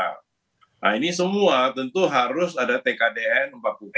nah ini semua tentu harus ada tkdn empat puluh delapan